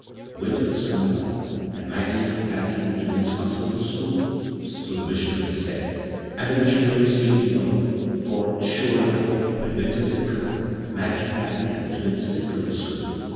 Winter was coming on, and Maggie, Patty, and the twins must go to school, so the missionary said ; and the missionary seemed to know, for, sure enough, when winter did come, Maggie, Patty, and the twins did go to school.